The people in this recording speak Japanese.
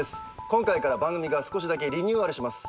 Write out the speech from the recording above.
今回から番組が少しだけリニューアルします。